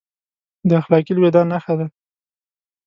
د اخلاقي لوېدا نښه دی.